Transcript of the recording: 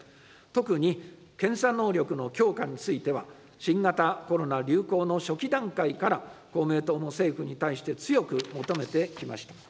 特に検査能力の強化については、新型コロナ流行の初期段階から、公明党も政府に対して強く求めてきました。